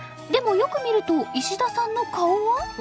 でもよく見ると石田さんの顔は。